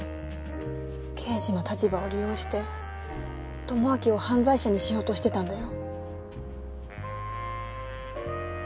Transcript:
刑事の立場を利用して智明を犯罪者にしようとしてたんだよ。